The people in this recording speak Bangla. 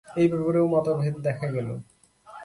এই ব্যাপারেও মতভেদ দেখা গেল।